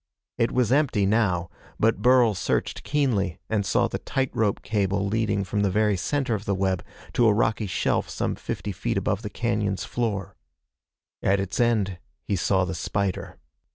It was empty now, but Burl searched keenly and saw the tight rope cable leading from the very center of the web to a rocky shelf some fifty feet above the cañon's floor. At its end he saw the spider.